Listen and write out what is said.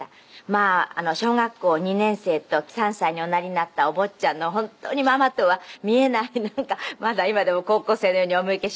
まあ小学校２年生と３歳におなりになったお坊ちゃんの本当にママとは見えないなんかまだ今でも高校生のようにお見受けします